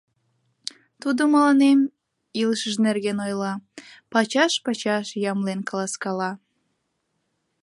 Тудо мыланем илышыж нерген ойла, пачаш-пачаш ямлен каласкала.